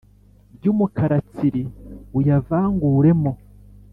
ryu mukara tsiri uyavanguremo